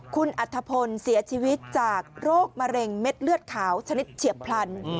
คุณอัธพลเสียชีวิตจากโรคมะเร็งเม็ดเลือดขาวชนิดเฉียบพลัน